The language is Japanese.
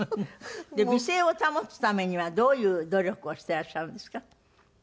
美声を保つためにはどういう努力をしてらっしゃるんですか？